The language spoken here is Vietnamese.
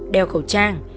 đeo khẩu trang